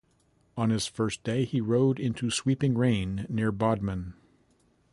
On his first day he rode into sweeping rain near Bodmin.